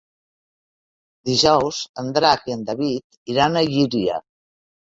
Dijous en Drac i en David iran a Llíria.